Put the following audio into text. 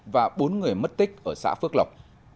và bốn người mất tích ở xã phước lộc